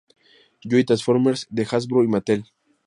Joe" y "Transformers," de "Hasbro" y "Mattel".